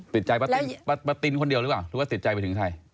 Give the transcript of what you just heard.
ติดใจป้าตินป้าตินคนเดียวหรือเปล่าหรือว่าติดใจไปถึงใคร